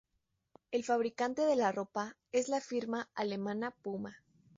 El fabricante de la ropa es la firma alemana Puma.